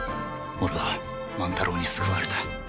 俺は万太郎に救われた。